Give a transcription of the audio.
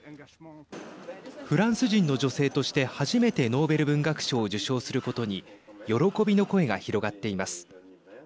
フランス人の女性として初めてノーベル文学賞を受賞することに喜びの声が広がっています。